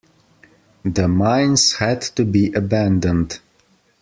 The mines had to be abandoned.